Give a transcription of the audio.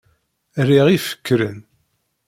Riɣ ifekren.